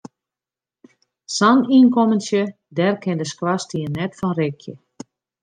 Sa'n ynkommentsje, dêr kin de skoarstien net fan rikje.